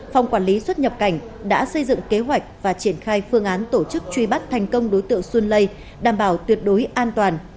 phòng quản lý xuất nhập cảnh đã xây dựng kế hoạch và triển khai phương án tổ chức truy bắt thành công đối tượng xuân lây đảm bảo tuyệt đối an toàn